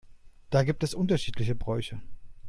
Da gibt es unterschiedliche Bräuche.